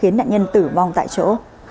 nhận nhân tử vong tại chỗ